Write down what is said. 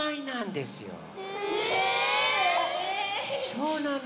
そうなの。